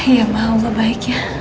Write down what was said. ya maha allah baiknya